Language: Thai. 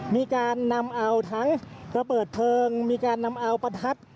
มีการนำเอาทั้งระเบิดเพลิงมีการนำเอาประทัด